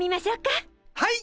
はい！